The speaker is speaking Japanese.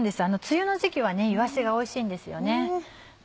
梅雨の時期はいわしがおいしいんですよね。